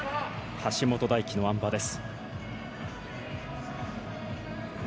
橋本大輝のあん馬です。